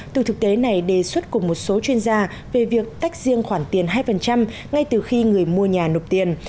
từ thực tế này đề xuất cùng một số chuyên gia về việc tách riêng khoản tiền hai ngay từ khi người mua nhà nộp tiền